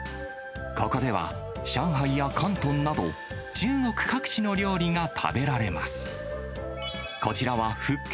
ここでは、上海や広東など、中国各地の料理が食べられます。